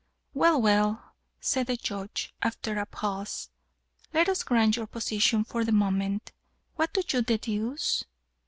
"Well, well," said the Judge, after a pause, "let us grant your position for the moment. What do you deduce?